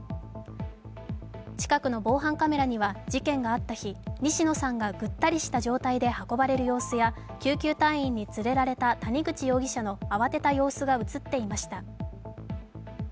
近くの防犯カメラには事件があった日、西野さんがぐったりした状態で運ばれる様子や救急隊員に連れられた、谷口容疑者の慌てた様子が映っていました。